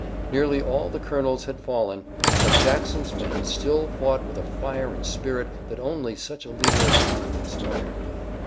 Nearly all the colonels had fallen, but Jackson's men still fought with a fire and spirit that only such a leader as he could inspire.